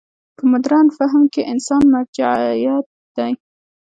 په مډرن فهم کې انسان مرجعیت دی.